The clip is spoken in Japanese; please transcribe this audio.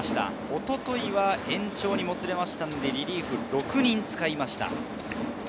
一昨日は延長にもつれたので、リリーフ６人を使いました。